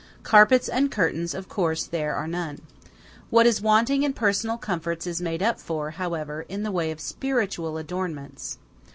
Carpets and curtains of course there are none. What is wanting in personal comforts is made up for, however, in the way of spiritual adornments.